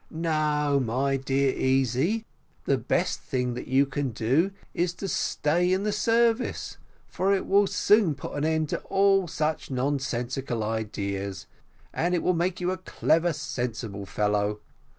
"No, my dear Easy, the best thing that you can do is to stay in the service, for it will soon put an end to all such nonsensical ideas; and it will make you a clever, sensible fellow.